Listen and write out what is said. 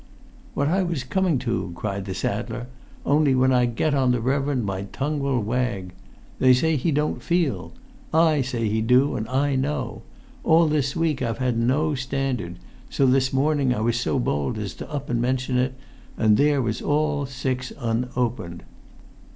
"What I was coming to," cried the saddler; "only when I get on the reverend my tongue will wag. They say he don't feel. I say he do, and I know: all this week I've had no Standard, so this morning I was so bold as to up and mention it, and there was all six unopened.